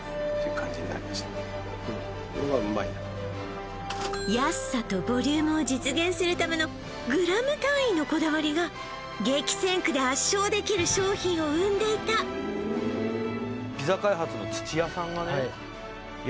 これはウマいな安さとボリュームを実現するためのグラム単位のこだわりが激戦区で圧勝できる商品を生んでいたピザ開発の土屋さんがね